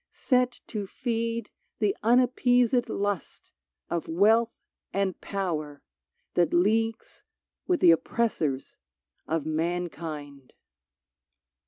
set to feed The unappeas^d lust of wealth and power That leagues with the oppressors of mankind